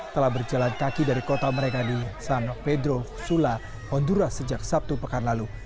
telah berjalan kaki dari kota mereka di san pedro sula hondura sejak sabtu pekan lalu